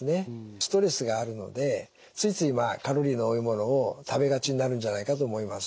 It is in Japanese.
ストレスがあるのでついついカロリーの多いものを食べがちになるんじゃないかと思います。